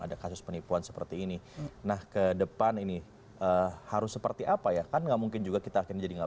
ada kasus penipuan seperti ini nah ke depan ini eh harus seperti apa ya kan nggak mungkin juga kita akan jadi enggak